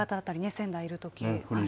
仙台いるとき。